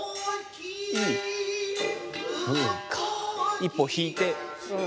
一歩引いて。